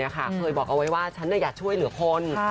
เคยบอกเอาไว้ว่าฉันอยากช่วยเหลือคน